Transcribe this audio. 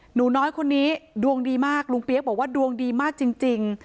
หนูน้อยคนนี้ดวงดีมากลุงเปี๊ยกบอกว่าดวงดีมากจริง